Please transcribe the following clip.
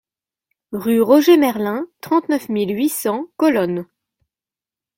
Rue Roger Merlin, trente-neuf mille huit cents Colonne